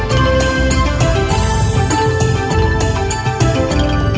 โชว์สี่ภาคจากอัลคาซ่าครับ